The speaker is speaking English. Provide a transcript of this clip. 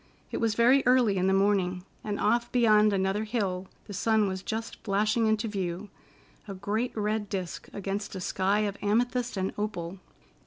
It was very early in the morning, and off beyond another hill the sun was just flashing into view—a great red disc against a sky of amethyst and opal.